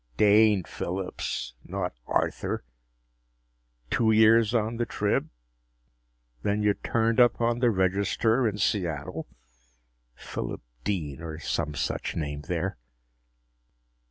Dane Phillips, not Arthur! Two years on the Trib. Then you turned up on the Register in Seattle? Phillip Dean, or some such name there."